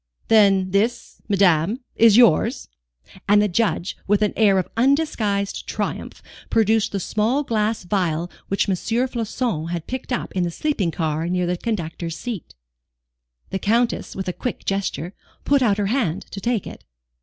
"Then this, madame, is yours?" And the Judge, with an air of undisguised triumph, produced the small glass vial which M. Floçon had picked up in the sleeping car near the conductor's seat. The Countess, with a quick gesture, put out her hand to take it.